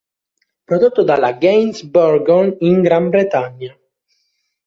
Prodotto dalla Gainsborough in Gran Bretagna.